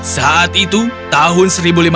saat itu tahun seribu lima ratus tiga puluh tujuh